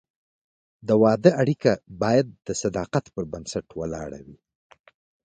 د واده اړیکه باید د صداقت پر بنسټ ولاړه وي.